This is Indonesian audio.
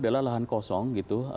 adalah lahan kosong gitu